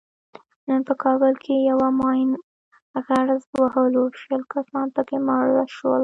نن په کابل کې یوه ماین غرز وهلو شل کسان پکې مړه شول.